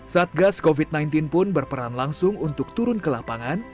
satgas covid sembilan belas pun berperan langsung untuk turun ke lapangan